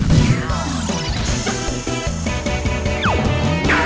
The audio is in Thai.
โหโฮอีตา